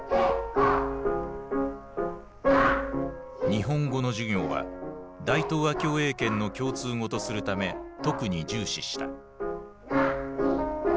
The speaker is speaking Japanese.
日本語の授業は大東亜共栄圏の共通語とするため特に重視した。